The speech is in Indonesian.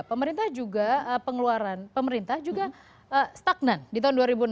pemerintah juga pengeluaran pemerintah juga stagnan di tahun dua ribu enam belas